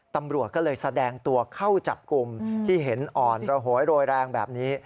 ตำรวจก็เลยแสดงตัวเข้าจับกลุ่มที่เห็นอ่อนระโหยโรยแรงแบบนี้